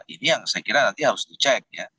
ini yang saya kira nanti harus dicek ya